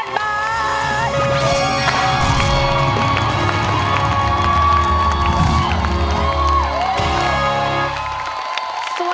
ได้ความบ้านเกิดหนึ่งแสนบาท